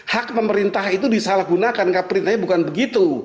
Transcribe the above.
hak pemerintah itu disalahgunakan karena perintahnya bukan begitu